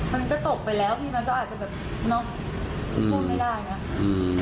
มันก็ตกไปแล้วอาจจะเป็นช่วงได้ไม่ได้